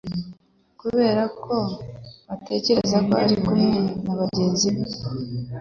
Kubera ko batekereje ko ari kumwe na bagenzi be,